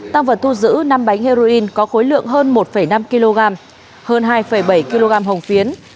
tăng vật thu giữ năm bánh heroin có khối lượng hơn một năm kg hơn hai bảy kg hồng phiến